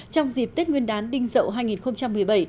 trong dịp tết nguyên đán đinh dậu hai nghìn một mươi bảy